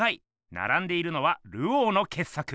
ならんでいるのはルオーのけっ作。